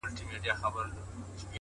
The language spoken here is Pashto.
سترگي لكه دوې ډېوې ـ